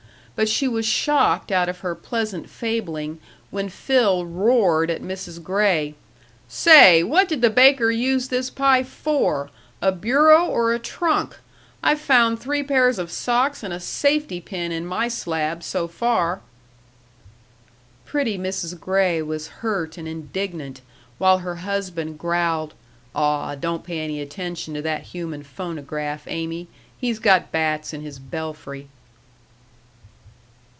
But she was shocked out of her pleasant fabling when Phil roared at Mrs. Gray: "Say, what did the baker use this pie for? A bureau or a trunk? I've found three pairs of socks and a safety pin in my slab, so far." Pretty Mrs. Gray was hurt and indignant, while her husband growled: "Aw, don't pay any attention to that human phonograph, Amy. He's got bats in his belfry."